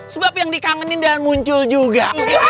sebab yang dikangenin dan muncul juga